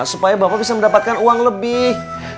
supaya bapak bisa mendapatkan uang lebih